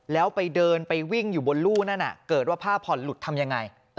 แล้วไปเดินไปวิ่งอยู่บนลู่นั่นเกิดว่าผ้าผ่อนหลุดทำยังไง